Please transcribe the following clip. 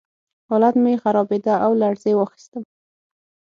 حالت مې خرابېده او لړزې واخیستم